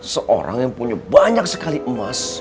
seorang yang punya banyak sekali emas